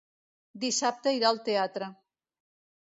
Dissabte irà al teatre.